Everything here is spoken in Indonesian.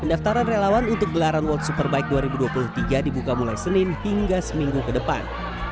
pendaftaran relawan untuk gelaran world superbike dua ribu dua puluh tiga dibuka mulai senin hingga seminggu ke depan